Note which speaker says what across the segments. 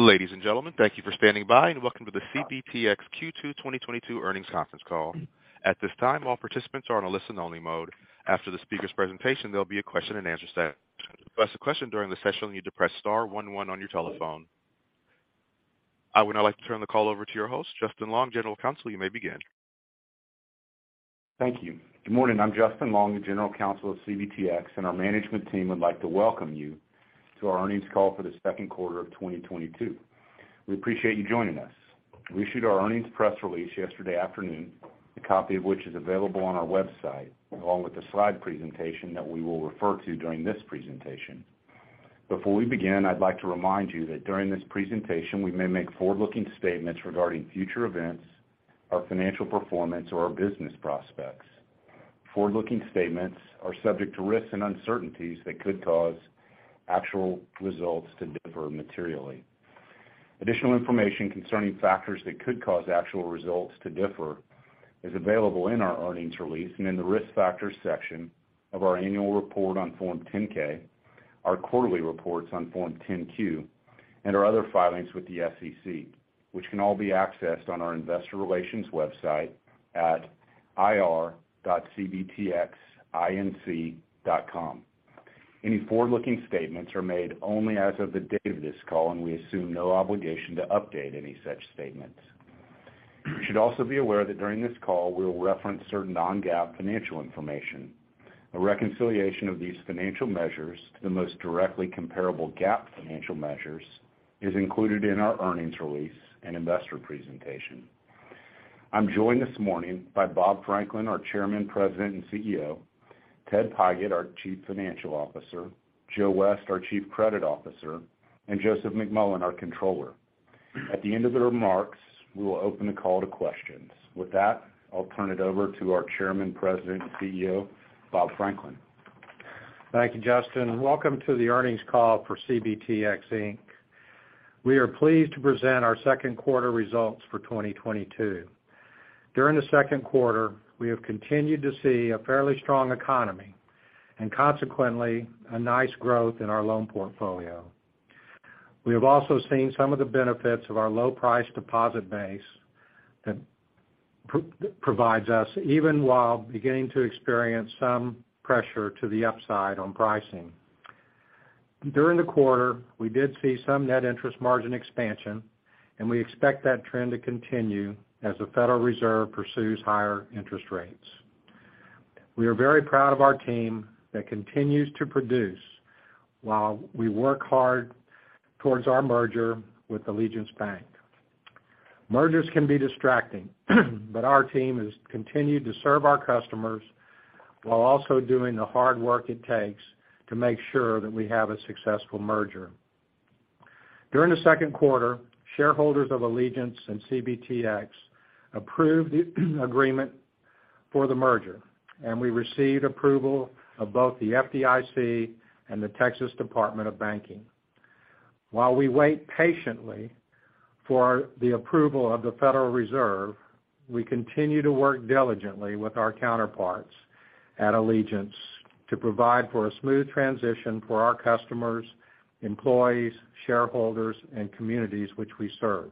Speaker 1: Ladies and gentlemen, thank you for standing by and welcome to the CBTX Q2 2022 Earnings Conference Call. At this time, all participants are on a listen only mode. After the speaker's presentation, there'll be a question and answer session. To ask a question during the session, you need to press star one one on your telephone. I would now like to turn the call over to your host, Justin Long, General Counsel. You may begin.
Speaker 2: Thank you. Good morning. I'm Justin Long, the General Counsel of CBTX, and our management team would like to welcome you to our earnings call for the second quarter of 2022. We appreciate you joining us. We issued our earnings press release yesterday afternoon, a copy of which is available on our website along with the slide presentation that we will refer to during this presentation. Before we begin, I'd like to remind you that during this presentation, we may make forward-looking statements regarding future events, our financial performance or our business prospects. Forward-looking statements are subject to risks and uncertainties that could cause actual results to differ materially. Additional information concerning factors that could cause actual results to differ is available in our earnings release and in the Risk Factors section of our annual report on Form 10-K, our quarterly reports on Form 10-Q, and our other filings with the SEC, which can all be accessed on our investor relations website at ir.cbtxinc.com. Any forward-looking statements are made only as of the date of this call, and we assume no obligation to update any such statements. You should also be aware that during this call, we will reference certain non-GAAP financial information. A reconciliation of these financial measures to the most directly comparable GAAP financial measures is included in our earnings release and investor presentation. I'm joined this morning by Bob Franklin, our Chairman, President, and CEO, Ted Pigott, our Chief Financial Officer, Joe West, our Chief Credit Officer, and Joseph McMullen, our Controller. At the end of the remarks, we will open the call to questions. With that, I'll turn it over to our Chairman, President, and CEO, Bob Franklin.
Speaker 3: Thank you, Justin, and welcome to the earnings call for CBTX We are pleased to present our second quarter results for 2022. During the second quarter, we have continued to see a fairly strong economy and consequently a nice growth in our loan portfolio. We have also seen some of the benefits of our low-priced deposit base that provides us even while beginning to experience some pressure to the upside on pricing. During the quarter, we did see some net interest margin expansion, and we expect that trend to continue as the Federal Reserve pursues higher interest rates. We are very proud of our team that continues to produce while we work hard towards our merger with Allegiance Bank. Mergers can be distracting, but our team has continued to serve our customers while also doing the hard work it takes to make sure that we have a successful merger. During the second quarter, shareholders of Allegiance, And CBTX approved the agreement for the merger, and we received approval of both the FDIC and the Texas Department of Banking. While we wait patiently for the approval of the Federal Reserve, we continue to work diligently with our counterparts at Allegiance to provide for a smooth transition for our customers, employees, shareholders, and communities which we serve.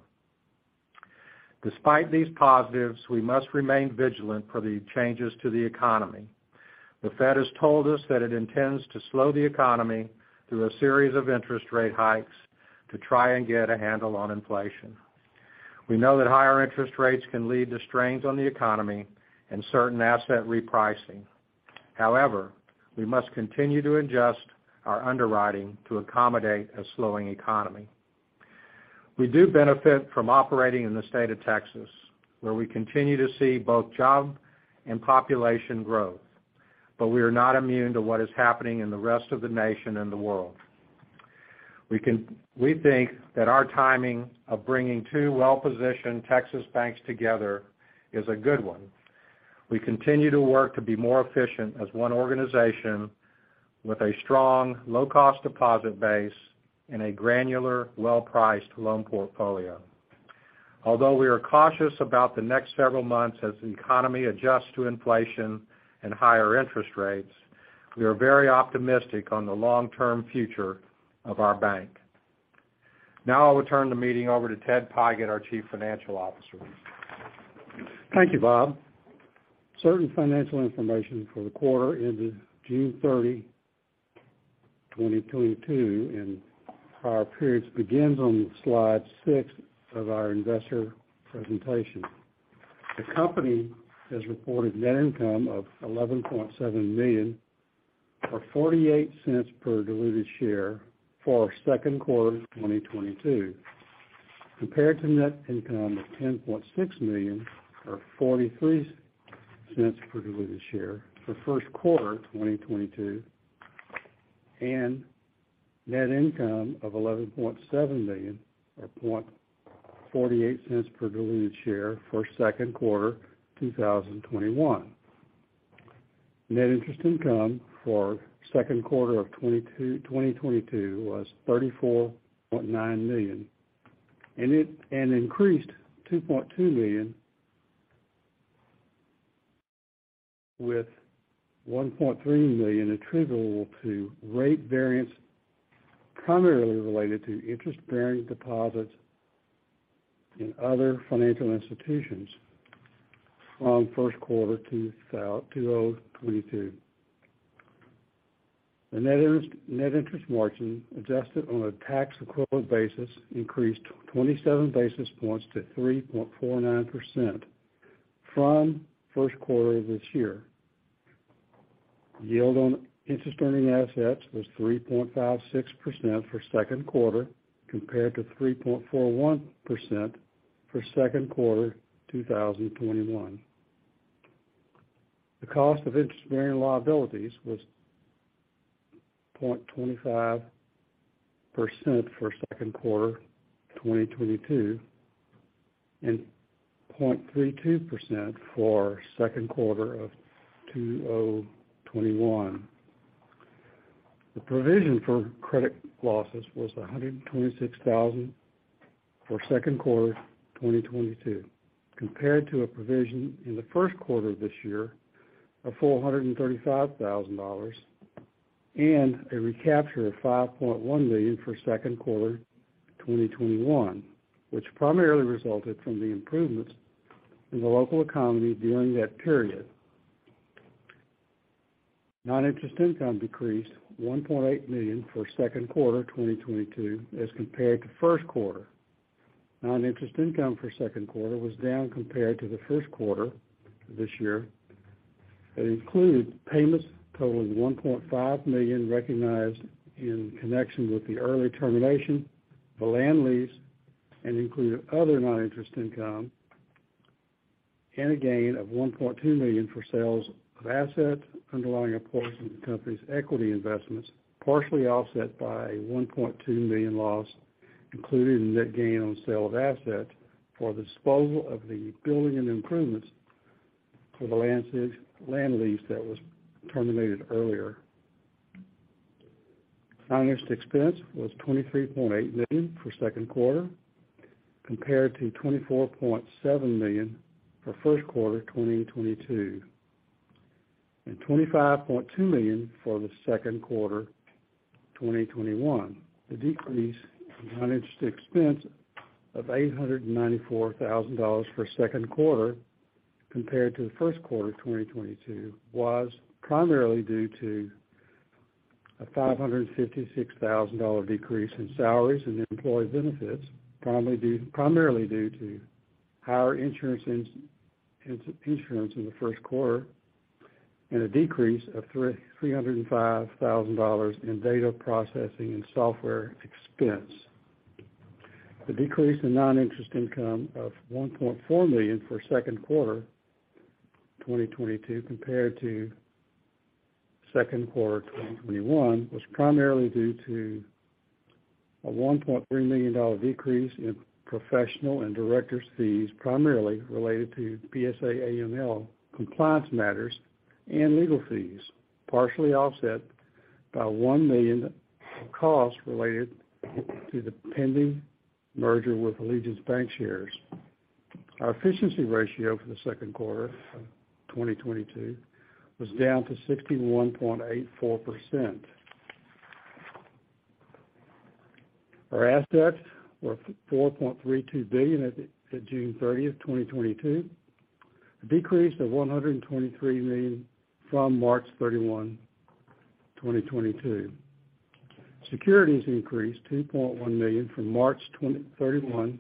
Speaker 3: Despite these positives, we must remain vigilant for the changes to the economy. The Fed has told us that it intends to slow the economy through a series of interest rate hikes to try and get a handle on inflation. We know that higher interest rates can lead to strains on the economy and certain asset repricing. However, we must continue to adjust our underwriting to accommodate a slowing economy. We do benefit from operating in the state of Texas, where we continue to see both job and population growth. We are not immune to what is happening in the rest of the nation and the world. We think that our timing of bringing two well-positioned Texas banks together is a good one. We continue to work to be more efficient as one organization with a strong, low-cost deposit base and a granular, well-priced loan portfolio. Although we are cautious about the next several months as the economy adjusts to inflation and higher interest rates, we are very optimistic on the long-term future of our bank. Now I will turn the meeting over to Ted Pigott, Jr., our Chief Financial Officer.
Speaker 4: Thank you, Bob. Certain financial information for the quarter ended June 30, 2022 and prior periods begins on slide 6 of our investor presentation. The company has reported net income of $11.7 million or $0.48 per diluted share for second quarter 2022, compared to net income of $10.6 million or $0.43 per diluted share for first quarter 2022, and net income of $11.7 million or $0.48 per diluted share for second quarter 2021. Net interest income for second quarter 2022 was $34.9 million, and increased $2.2 million with $1.3 million attributable to rate variance, primarily related to interest-bearing deposits in other financial institutions from first quarter 2022. The net interest, net interest margin adjusted on a tax-equivalent basis increased 27 basis points to 3.49% from first quarter of this year. Yield on interest-earning assets was 3.56% for second quarter compared to 3.41% for second quarter 2021. The cost of interest-bearing liabilities was 0.25% for second quarter 2022, and 0.32% for second quarter of 2021. The provision for credit losses was $126,000 for second quarter 2022, compared to a provision in the first quarter of this year of $435,000, and a recapture of $5.1 million for second quarter 2021, which primarily resulted from the improvements in the local economy during that period. Noninterest income decreased $1.8 million for second quarter 2022 as compared to first quarter. Noninterest income for second quarter was down compared to the first quarter this year. It includes payments totaling $1.5 million recognized in connection with the early termination of a land lease and included other noninterest income, and a gain of $1.2 million for sales of assets underlying a portion of the company's equity investments, partially offset by a $1.2 million loss, including net gain on sale of asset for the disposal of the building and improvements for the land lease that was terminated earlier. Noninterest expense was $23.8 million for second quarter, compared to $24.7 million for first quarter 2022, and $25.2 million for the second quarter 2021. The decrease in non-interest expense of $894,000 for second quarter compared to the first quarterr 2022 was primarily due to a $556,000 decrease in salaries and employee benefits, primarily due to higher insurance in the first quarter and a decrease of $305,000 in data processing and software expense. The decrease in non-interest income of $1.4 million for second quarter 2022 compared to second quarter 2021 was primarily due to a $1.3 million decrease in professional and directors' fees, primarily related to BSA/AML compliance matters and legal fees, partially offset by $1 million costs related to the pending merger with Allegiance Bancshares. Our efficiency ratio for the second quarter of 2022 was down to 61.84%. Our assets were $4.32 billion at June 30, 2022, a decrease of $123 million from March 31, 2022. Securities increased $2.1 million from March 31,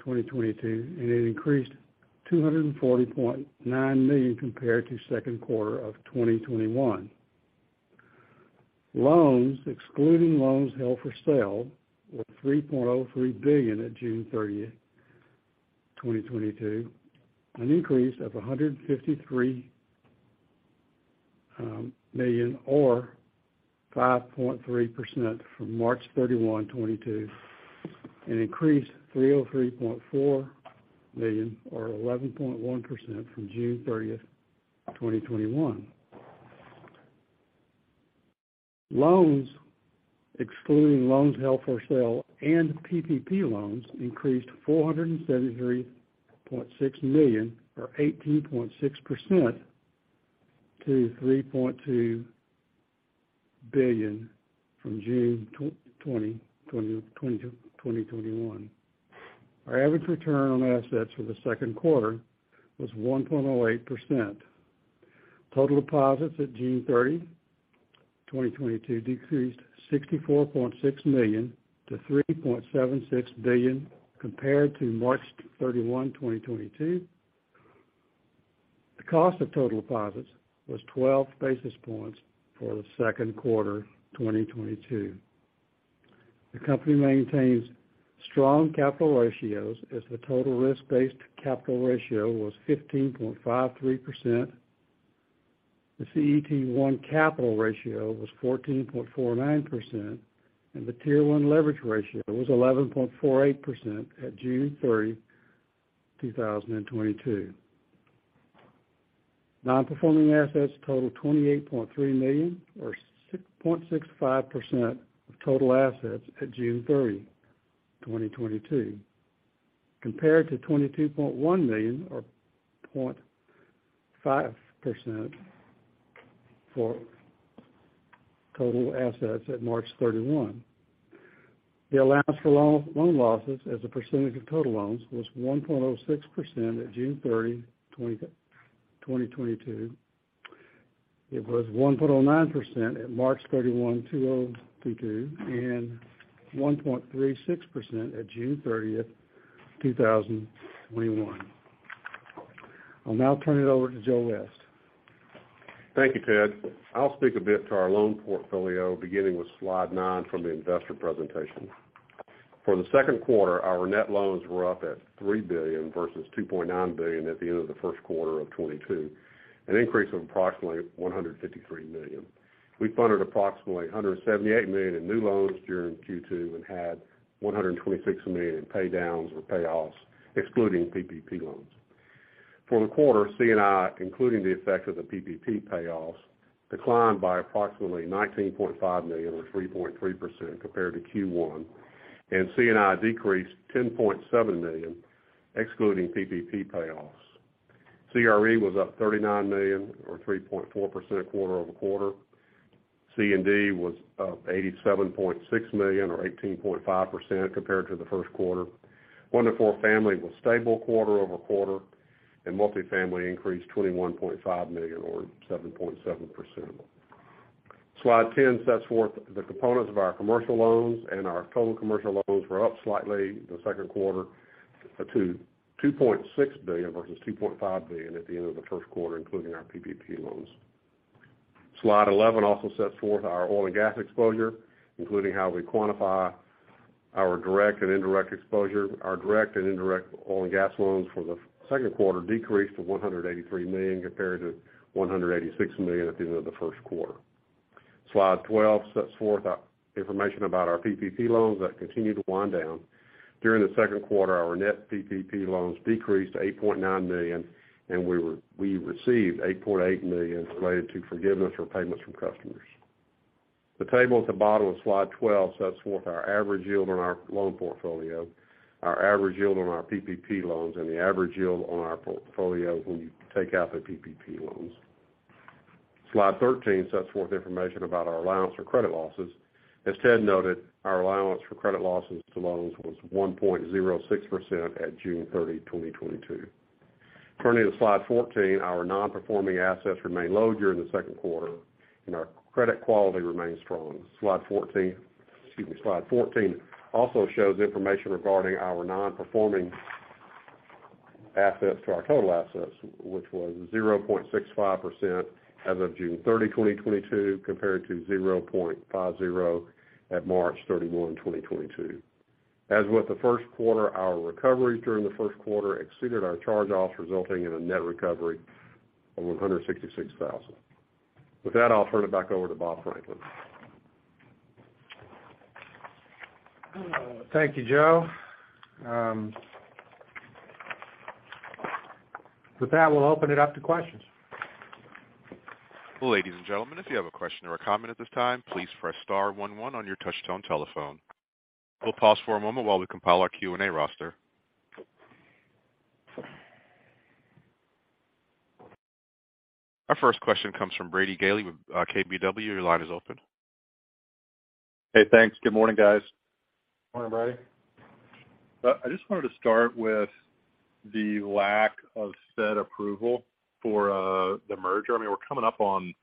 Speaker 4: 2022, and it increased $240.9 million compared to second quarter of 2021. Loans, excluding loans held for sale, were $3.03 billion at June 30, 2022, an increase of $153 million or 5.3% from March 31, 2022, and increased $303.4 million or 11.1% from June 30, 2021. Loans, excluding loans held for sale and PPP loans, increased $473.6 million or 18.6% to $3.2 billion from June 2021. Our average return on assets for the second quarter was 1.08%. Total deposits at June 30, 2022 decreased $64.6 million to $3.76 billion compared to March 31, 2022. The cost of total deposits was 12 basis points for the second quarter 2022. The company maintains strong capital ratios, as the total risk-based capital ratio was 15.53%. The CET1 capital ratio was 14.49%, and the Tier 1 leverage ratio was 11.48% at June 30, 2022. Non-performing assets total $28.3 million or 6.65% of total assets at June 30, 2022. Compared to $22.1 million or 0.5% for total assets at March 31. The allowance for loan losses as a percentage of total loans was 1.06% at June 30, 2022. It was 1.09% at March 31, 2022, and 1.36% at June 30, 2021. I'll now turn it over to Joe West.
Speaker 5: Thank you, Ted. I'll speak a bit to our loan portfolio, beginning with slide 9 from the investor presentation. For the second quarter, our net loans were up at $3 billion, versus $2.9 billion at the end of the first quarter of 2022, an increase of approximately $153 million. We funded approximately $178 million in new loans during Q2 and had $126 million in pay downs or payoffs, excluding PPP loans. For the quarter, C&I, including the effect of the PPP payoffs, declined by approximately $19.5 million or 3.3% compared to Q1. C&I decreased $10.7 million, excluding PPP payoffs. CRE was up $39 million or 3.4% quarter-over-quarter. C&D was up $87.6 million or 18.5% compared to the first quarter. One to four family was stable quarter-over-quarter, and multifamily increased $21.5 million or 7.7%. Slide 10 sets forth the components of our commercial loans, and our total commercial loans were up slightly the second quarter to $2.6 billion, versus $2.5 billion at the end of the first quarter, including our PPP loans. Slide 11 also sets forth our oil and gas exposure, including how we quantify our direct and indirect exposure. Our direct and indirect oil and gas loans for the second quarter decreased to $183 million compared to $186 million at the end of the first quarter. Slide 12 sets forth information about our PPP loans that continue to wind down. During the second quarter, our net PPP loans decreased to $8.9 million, and we received $8.8 million related to forgiveness or payments from customers. The table at the bottom of slide 12 sets forth our average yield on our loan portfolio, our average yield on our PPP loans, and the average yield on our portfolio when you take out the PPP loans. Slide 13 sets forth information about our allowance for credit losses. As Ted noted, our allowance for credit losses to loans was 1.06% at June 30, 2022. Turning to slide 14, our non-performing assets remain low during the second quarter, and our credit quality remains strong. Excuse me, slide 14 also shows information regarding our non-performing assets to our total assets, which was 0.65% as of June 30, 2022, compared to 0.50% at March 31, 2022. As with the first quarter, our recovery during the first quarter exceeded our charge-offs, resulting in a net recovery of $166,000. With that, I'll turn it back over to Bob Franklin.
Speaker 3: Thank you, Joe. With that, we'll open it up to questions.
Speaker 1: Ladies and gentlemen, if you have a question or a comment at this time, please press star one one on your touchtone telephone. We'll pause for a moment while we compile our Q&A roster. Our first question comes from Brady Gailey with KBW. Your line is open.
Speaker 6: Hey, thanks. Good morning, guys.
Speaker 3: Morning, Brady.
Speaker 6: I just wanted to start with the lack of Fed approval for the merger. I mean, we're coming up on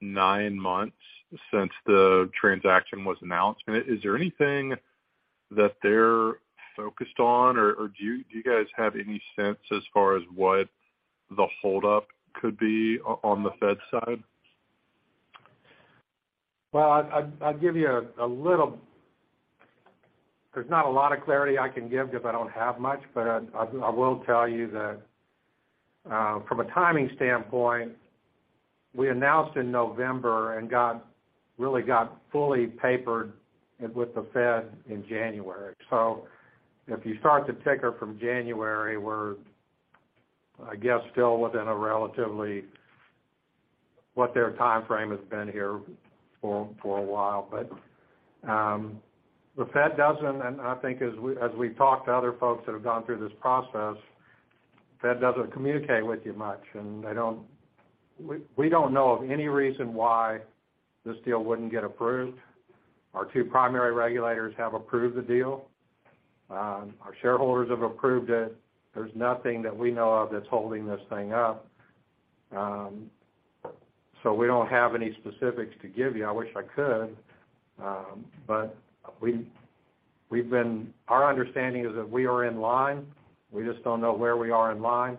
Speaker 6: nine months since the transaction was announced. Is there anything that they're focused on or do you guys have any sense as far as what the hold up could be on the Fed side?
Speaker 3: Well, I'd give you a little. There's not a lot of clarity I can give because I don't have much. I will tell you that, from a timing standpoint, we announced in November and really got fully papered with the Fed in January. If you start the clock from January, we're, I guess, still within a relatively what their timeframe has been here for a while. The Fed doesn't communicate with you much, and they don't. I think as we talk to other folks that have gone through this process. We don't know of any reason why this deal wouldn't get approved. Our two primary regulators have approved the deal. Our shareholders have approved it. There's nothing that we know of that's holding this thing up. We don't have any specifics to give you. I wish I could. We've been. Our understanding is that we are in line. We just don't know where we are in line,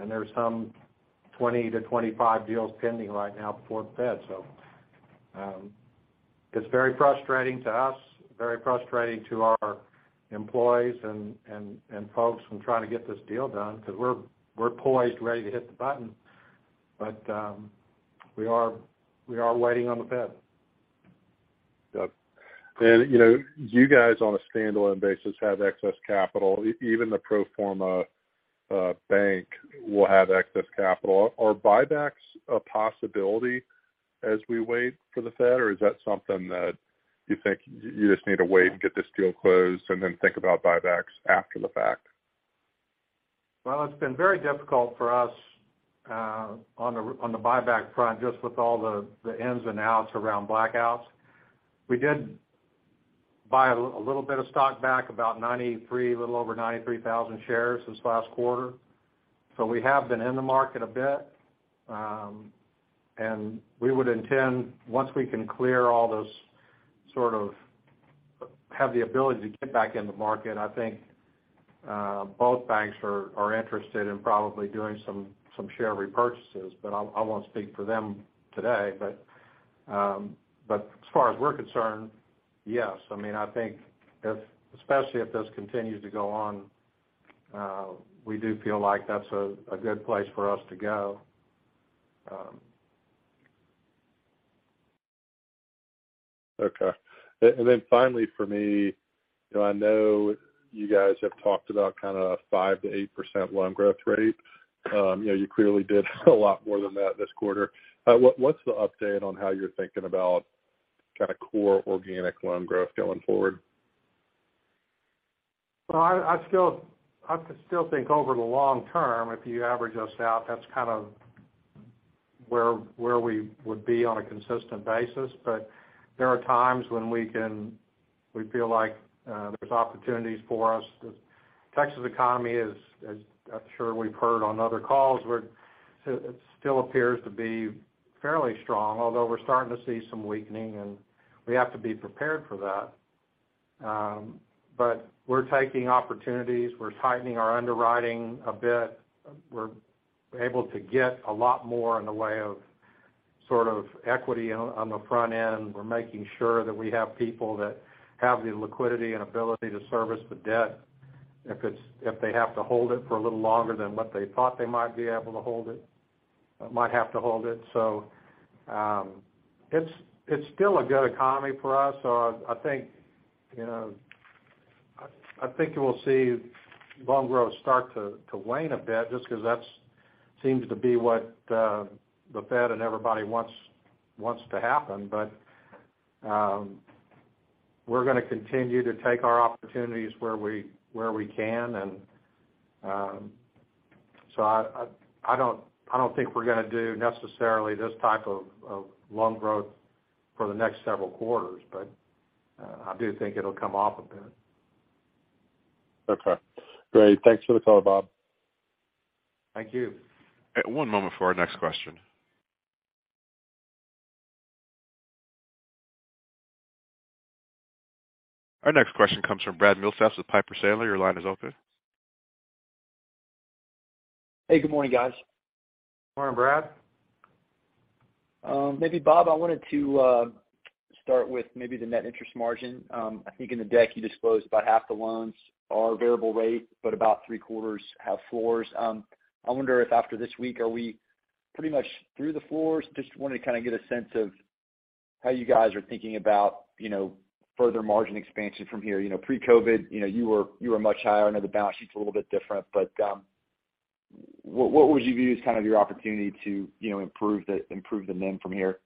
Speaker 3: and there's some 20-25 deals pending right now before the Fed. It's very frustrating to us, very frustrating to our employees and folks trying to get this deal done because we're poised, ready to hit the button. We are waiting on the Fed.
Speaker 6: Yep. You know, you guys on a standalone basis have excess capital, even the pro forma bank will have excess capital. Are buybacks a possibility as we wait for the Fed? Is that something that you think you just need to wait and get this deal closed and then think about buybacks after the fact?
Speaker 3: Well, it's been very difficult for us on the buyback front, just with all the ins and outs around blackouts. We did buy a little bit of stock back, about 93, a little over 93,000 shares this last quarter. We have been in the market a bit. We would intend, once we can clear all those sort of have the ability to get back in the market. I think both banks are interested in probably doing some share repurchases, but I won't speak for them today. As far as we're concerned, yes. I mean, I think if especially if this continues to go on, we do feel like that's a good place for us to go.
Speaker 6: Okay. Finally for me, you know, I know you guys have talked about kind of 5%-8% loan growth rate. You know, you clearly did a lot more than that this quarter. What's the update on how you're thinking about kind of core organic loan growth going forward?
Speaker 3: I still think over the long term, if you average us out, that's kind of where we would be on a consistent basis. There are times when we feel like there's opportunities for us. The Texas economy is, as I'm sure we've heard on other calls, where it still appears to be fairly strong, although we're starting to see some weakening, and we have to be prepared for that. We're taking opportunities. We're tightening our underwriting a bit. We're able to get a lot more in the way of sort of equity on the front end. We're making sure that we have people that have the liquidity and ability to service the debt if they have to hold it for a little longer than what they thought they might be able to hold it. It's still a good economy for us. I think, you know, you will see loan growth start to wane a bit just 'cause that seems to be what the Fed and everybody wants to happen. We're gonna continue to take our opportunities where we can. I don't think we're gonna do necessarily this type of loan growth for the next several quarters, but I do think it'll come off a bit.
Speaker 6: Okay. Great. Thanks for the color, Bob.
Speaker 3: Thank you.
Speaker 1: One moment for our next question. Our next question comes from Brad Milsaps with Piper Sandler. Your line is open.
Speaker 7: Hey, good morning, guys.
Speaker 3: Morning, Brad.
Speaker 7: Maybe Bob, I wanted to start with maybe the net interest margin. I think in the deck you disclosed about half the loans are variable rate, but about 3/4 have floors. I wonder if after this week, are we pretty much through the floors? Just wanted to kind of get a sense of how you guys are thinking about, you know, further margin expansion from here. You know, pre-COVID, you know, you were much higher. I know the balance sheet's a little bit different, but, what would you view as kind of your opportunity to, you know, improve the NIM from here?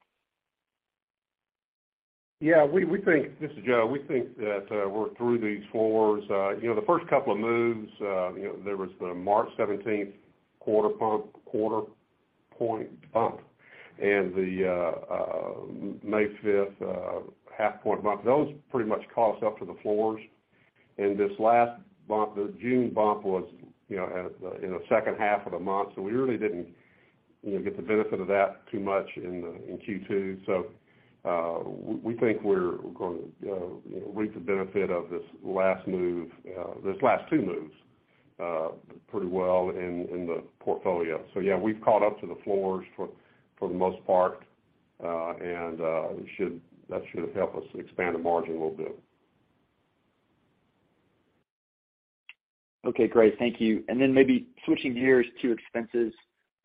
Speaker 5: Yeah, we think this is Joe. We think that we're through these floors. You know, the first couple of moves, you know, there was the March 17 quarter-point bump and the May 5th half-point bump. Those pretty much caught us up to the floors. This last bump, the June bump was you know in the second half of the month, so we really didn't you know get the benefit of that too much in Q2. We think we're going to you know reap the benefit of this last move, this last two moves pretty well in the portfolio. Yeah, we've caught up to the floors for the most part. We should. That should help us expand the margin a little bit.
Speaker 7: Okay, great. Thank you. Maybe switching gears to expenses.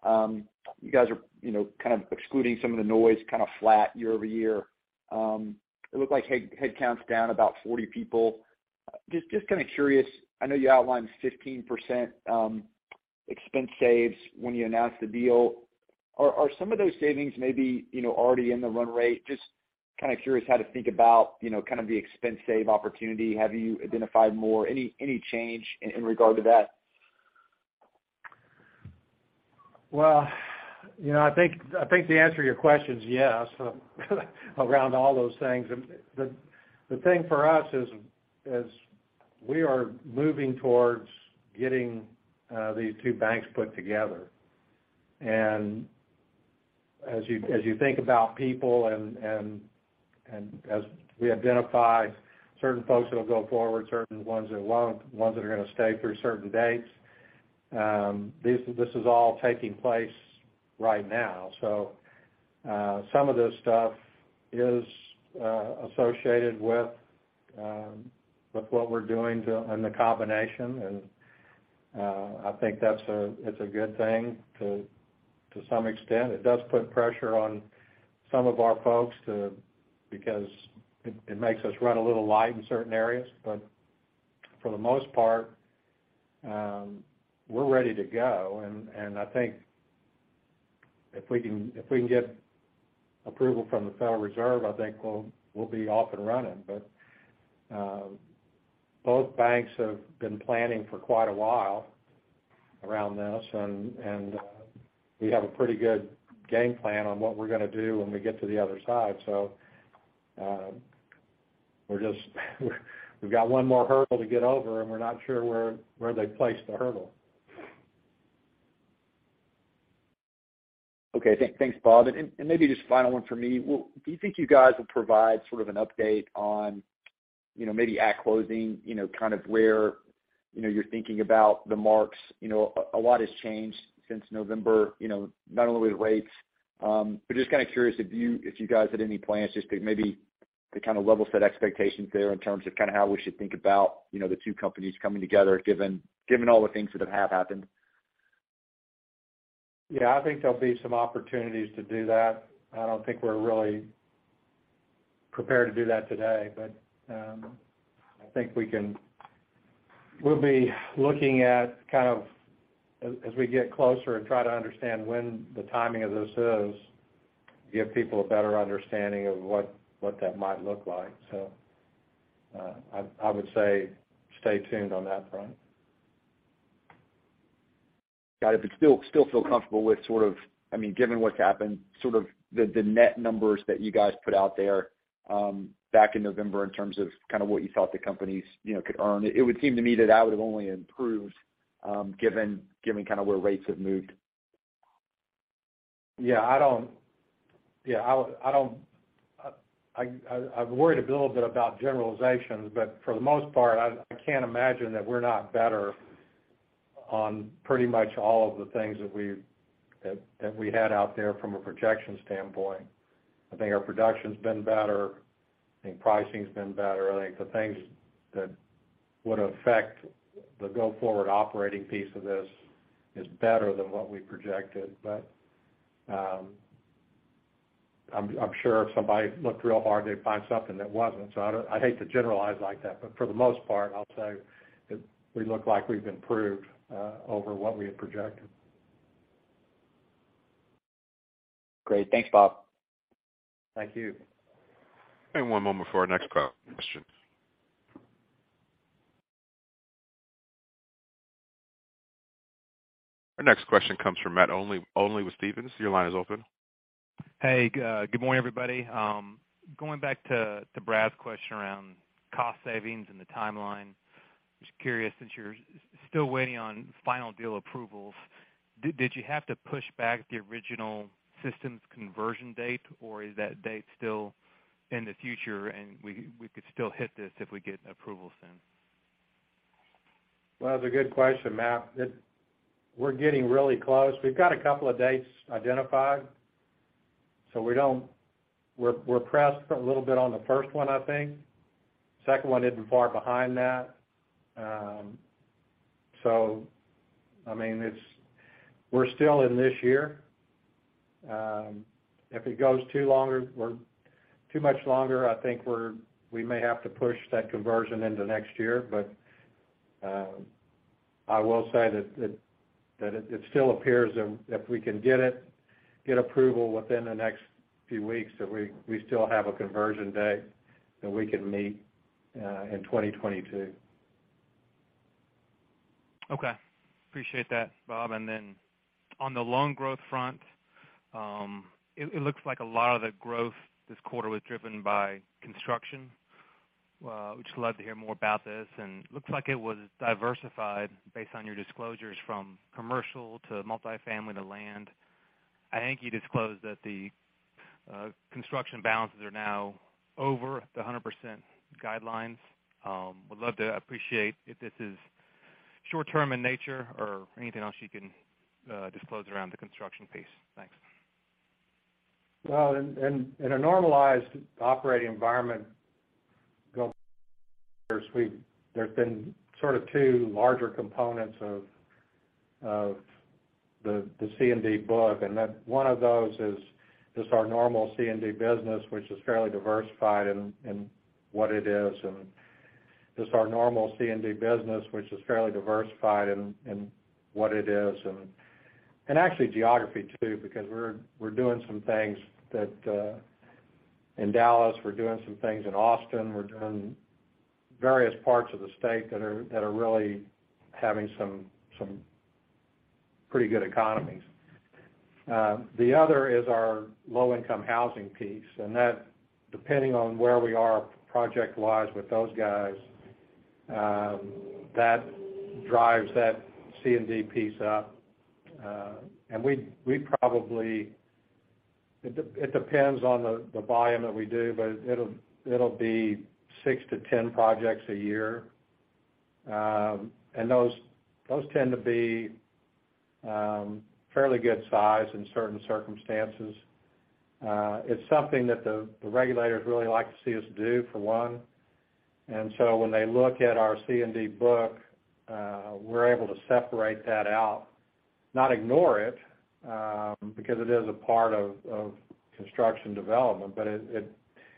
Speaker 7: You guys are, you know, kind of excluding some of the noise, kind of flat year-over-year. It looked like headcount's down about 40 people. Just kinda curious, I know you outlined 15% expense saves when you announced the deal. Are some of those savings maybe, you know, already in the run rate? Just kinda curious how to think about, you know, kind of the expense save opportunity. Have you identified more? Any change in regard to that?
Speaker 3: Well, you know, I think the answer to your question is yes around all those things. The thing for us is we are moving towards getting these two banks put together. As you think about people and as we identify certain folks that'll go forward, certain ones that won't, ones that are gonna stay through certain dates, this is all taking place right now. Some of this stuff is associated with what we're doing in the combination. I think that's a good thing. To some extent, it does put pressure on some of our folks because it makes us run a little light in certain areas. For the most part, we're ready to go. I think if we can get approval from the Federal Reserve, I think we'll be off and running. Both banks have been planning for quite a while around this, and we have a pretty good game plan on what we're gonna do when we get to the other side. We've got one more hurdle to get over, and we're not sure where they placed the hurdle.
Speaker 7: Okay. Thanks, Bob. Maybe just final one for me. Do you think you guys will provide sort of an update on, you know, maybe at closing, you know, kind of where, you know, you're thinking about the marks? You know, a lot has changed since November, you know, not only with rates, but just kind of curious if you guys had any plans just to maybe kind of level set expectations there in terms of kind of how we should think about, you know, the two companies coming together, given all the things that have happened.
Speaker 3: Yeah. I think there'll be some opportunities to do that. I don't think we're really prepared to do that today, but I think we can. We'll be looking at kind of as we get closer and try to understand when the timing of this is, give people a better understanding of what that might look like. I would say stay tuned on that front.
Speaker 7: Got it. Still feel comfortable with sort of, I mean, given what's happened, sort of the net numbers that you guys put out there back in November in terms of kind of what you thought the companies you know could earn. It would seem to me that that would have only improved given kind of where rates have moved.
Speaker 3: Yeah. I've worried a little bit about generalizations, but for the most part, I can't imagine that we're not better on pretty much all of the things that we had out there from a projection standpoint. I think our production's been better. I think pricing's been better. I think the things that would affect the go forward operating piece of this is better than what we projected. I'm sure if somebody looked real hard, they'd find something that wasn't. I hate to generalize like that, but for the most part, I'll say that we look like we've improved over what we had projected.
Speaker 7: Great. Thanks, Bob.
Speaker 3: Thank you.
Speaker 1: One moment for our next question. Our next question comes from Matt Olney with Stephens. Your line is open.
Speaker 8: Good morning, everybody. Going back to Brad's question around cost savings and the timeline. Just curious, since you're still waiting on final deal approvals, did you have to push back the original systems conversion date, or is that date still in the future, and we could still hit this if we get approvals in?
Speaker 3: Well, that's a good question, Matt. We're getting really close. We've got a couple of dates identified. We're pressed a little bit on the first one, I think. Second one isn't far behind that. So, I mean, it's, we're still in this year. If it goes too much longer, I think we may have to push that conversion into next year. I will say that it still appears if we can get approval within the next few weeks, that we still have a conversion date that we can meet in 2022.
Speaker 8: Okay. Appreciate that, Bob. On the loan growth front, it looks like a lot of the growth this quarter was driven by construction. Would love to hear more about this. Looks like it was diversified based on your disclosures from commercial to multifamily to land. I think you disclosed that the construction balances are now over the 100% guidelines. Would love to appreciate if this is short-term in nature or anything else you can disclose around the construction piece. Thanks.
Speaker 3: Well, in a normalized operating environment, there's been sort of two larger components of the C&D book, and one of those is just our normal C&D business, which is fairly diversified in what it is. Actually geography too, because we're doing some things in Dallas, we're doing some things in Austin. We're doing various parts of the state that are really having some pretty good economies. The other is our low-income housing piece, and that depending on where we are project-wise with those guys, that drives that C&D piece up. It depends on the volume that we do, but it'll be 6-10 projects a year. Those tend to be fairly good size in certain circumstances. It's something that the regulators really like to see us do, for one. When they look at our C&D book, we're able to separate that out, not ignore it, because it is a part of construction and development, but it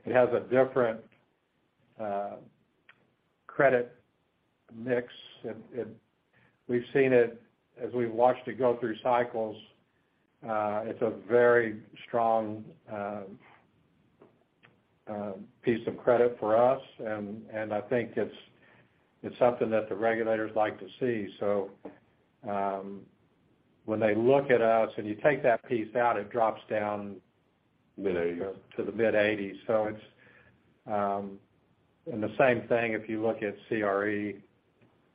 Speaker 3: has a different credit mix. We've seen it as we've watched it go through cycles. It's a very strong piece of credit for us. I think it's something that the regulators like to see. When they look at us and you take that piece out, it drops down.
Speaker 8: Mid-80's.
Speaker 3: To the mid-80s. It's the same thing, if you look at CRE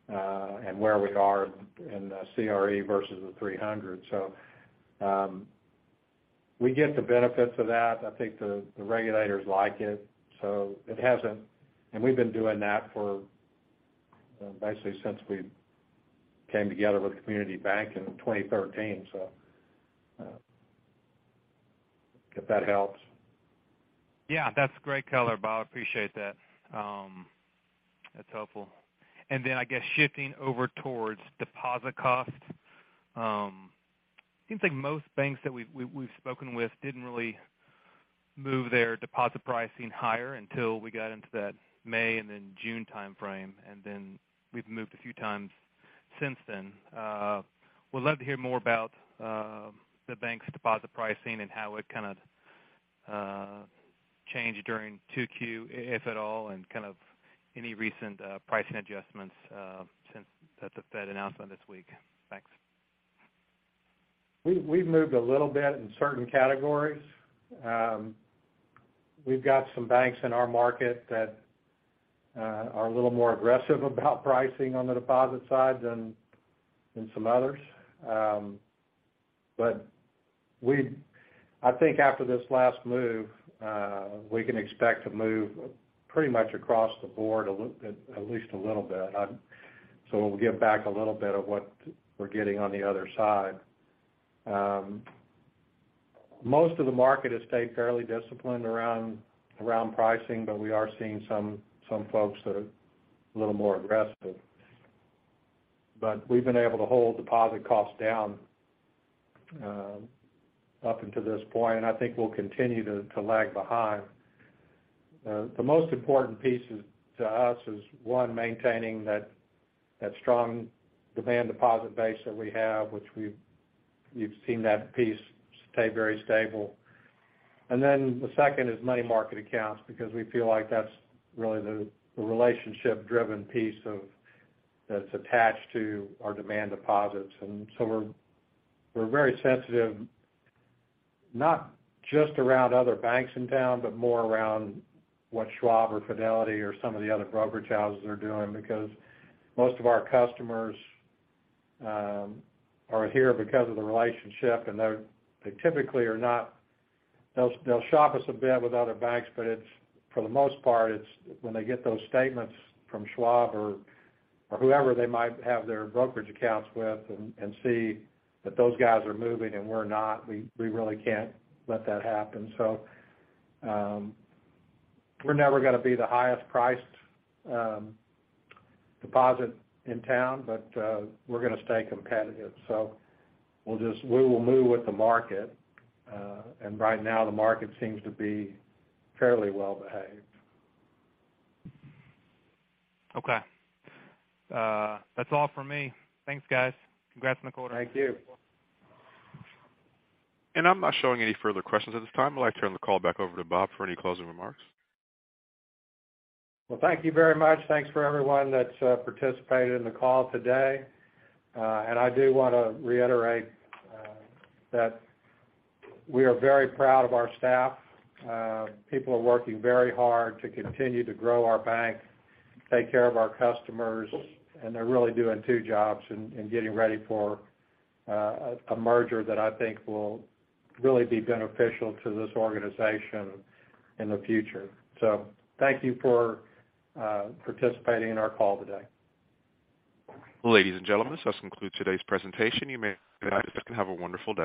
Speaker 3: and where we are in CRE versus the 300. We get the benefits of that. I think the regulators like it. It hasn't. We've been doing that for, basically, since we came together with Community Bank in 2013. If that helps.
Speaker 8: Yeah, that's great color, Bob. I appreciate that. That's helpful. Then I guess shifting over towards deposit costs, seems like most banks that we've spoken with didn't really move their deposit pricing higher until we got into that May and then June timeframe, and then we've moved a few times since then. Would love to hear more about the bank's deposit pricing and how it kind of changed during 2Q, if at all, and kind of any recent pricing adjustments since the Fed announcement this week. Thanks.
Speaker 3: We've moved a little bit in certain categories. We've got some banks in our market that are a little more aggressive about pricing on the deposit side than some others. I think after this last move, we can expect to move pretty much across the board at least a little bit. We'll give back a little bit of what we're getting on the other side. Most of the market has stayed fairly disciplined around pricing, but we are seeing some folks that are a little more aggressive. We've been able to hold deposit costs down up until this point, and I think we'll continue to lag behind. The most important piece is, to us, one, maintaining that strong demand deposit base that we have, which we've seen that piece stay very stable. Then the second is money market accounts, because we feel like that's really the relationship-driven piece that's attached to our demand deposits. We're very sensitive, not just around other banks in town, but more around what Schwab or Fidelity or some of the other brokerage houses are doing, because most of our customers are here because of the relationship, and they typically are not. They'll shop us a bit with other banks, but it's, for the most part, when they get those statements from Schwab or whoever they might have their brokerage accounts with and see that those guys are moving and we're not, we really can't let that happen. We're never gonna be the highest priced deposit in town, but we're gonna stay competitive. We will move with the market. Right now, the market seems to be fairly well behaved.
Speaker 8: Okay. That's all for me. Thanks, guys. Congrats on the quarter.
Speaker 3: Thank you.
Speaker 1: I'm not showing any further questions at this time. I'd like to turn the call back over to Bob for any closing remarks.
Speaker 3: Well, thank you very much. Thanks for everyone that's participated in the call today. I do wanna reiterate that we are very proud of our staff. People are working very hard to continue to grow our bank, take care of our customers, and they're really doing two jobs and getting ready for a merger that I think will really be beneficial to this organization in the future. Thank you for participating in our call today.
Speaker 1: Ladies and gentlemen, this concludes today's presentation. You may disconnect. Have a wonderful day.